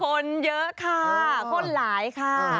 คนเยอะค่ะคนหลายค่ะ